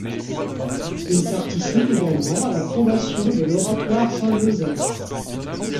Il participe également à la fondation de l'oratoire Saint-Joseph.